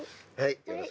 はい。